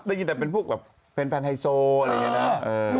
ได้ยินแต่เป็นพวกแบบแฟนไฮโซอะไรอย่างนี้นะ